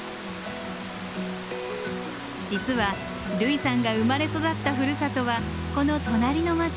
実は類さんが生まれ育ったふるさとはこの隣の町なんです。